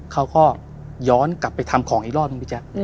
เขาก็ย้อนกลับไปทำของอีกรอบหนึ่ง